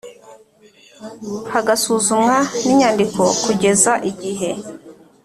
hagasuzumwa n inyandiko kugeza igihe